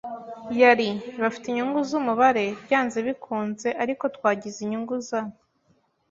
yari. Bafite inyungu zumubare, byanze bikunze, ariko twagize inyungu za